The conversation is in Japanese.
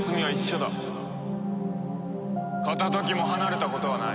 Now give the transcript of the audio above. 片時も離れたことはない。